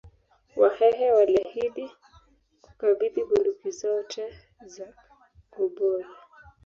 Wahehe waliahidi Kukabidhi bunduki zote za gobori